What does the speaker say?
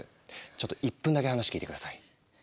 ちょっと１分だけ話聞いて下さい！